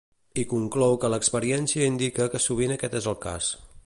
I conclou que l’experiència indica que sovint aquest és el cas.